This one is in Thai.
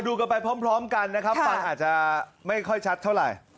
ดูกันไปพร้อมกันนะครับฟังอาจจะไม่ค่อยชัดเท่าไหร่